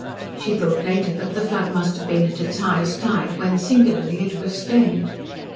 She thought later that the flood must have been at its highest tide when, singularly, it was stemmed.